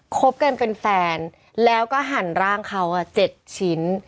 คบกันเป็นแฟนแล้วก็หั่นร่างเขา๗ชิ้น